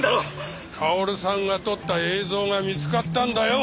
薫さんが撮った映像が見つかったんだよ！